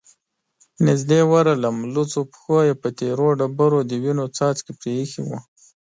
نږدې ورغلم، لوڅو پښو يې په تېرو ډبرو د وينو څاڅکې پرېښي ول،